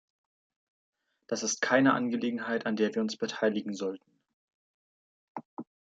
Das ist keine Angelegenheit, an der wir uns beteiligen sollten.